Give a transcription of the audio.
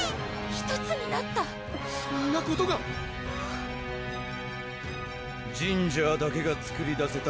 ⁉１つになった⁉そんなことがジンジャーだけが作り出せた